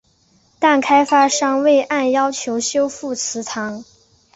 但开发商未按要求修复祠堂。